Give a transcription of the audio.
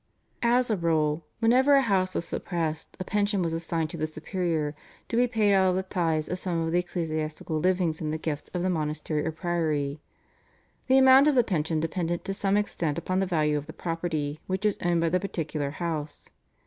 As a rule whenever a house was suppressed a pension was assigned to the superior, to be paid out of the tithes of some of the ecclesiastical livings in the gift of the monastery or priory. The amount of the pension depended to some extent upon the value of the property which was owned by the particular house.